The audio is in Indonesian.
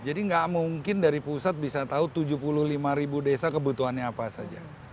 jadi nggak mungkin dari pusat bisa tahu tujuh puluh lima desa kebutuhannya apa saja